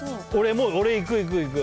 もう俺いくいくいく